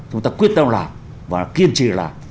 chúng ta quyết tâm làm và kiên trì làm